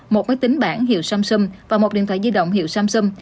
một máy tính bản hiệu samsung và một điện thoại di động hiệu samsung